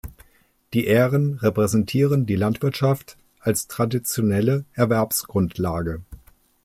Die Ähren repräsentieren die Landwirtschaft als traditionelle Erwerbsgrundlage.